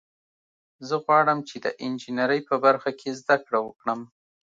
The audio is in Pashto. زه غواړم چې د انجینرۍ په برخه کې زده کړه وکړم